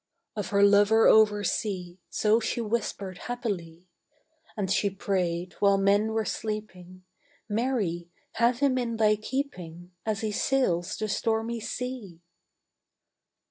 Of her lover over sea So she whispered happily; And she prayed, while men were sleeping, "Mary, have him in thy keeping As he sails the stormy sea!"